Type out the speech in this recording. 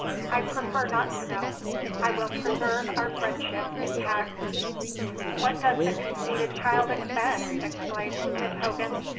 I prefer not to know. I will preserve our friendship intact." "What does the conceited child expect?" exclaimed Miss Hogan.